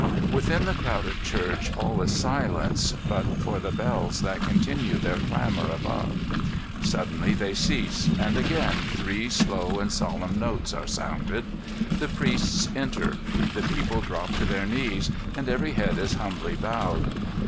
Within the crowded church all is silence but for the bells that continue their clamor above. Suddenly they cease, and again three slow and solemn notes are sounded. The priests enter. The people drop to their knees, and every head is humbly bowed.